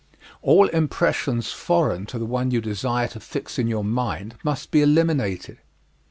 All impressions foreign to the one you desire to fix in your mind must be eliminated.